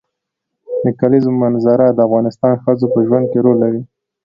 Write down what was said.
د کلیزو منظره د افغان ښځو په ژوند کې رول لري.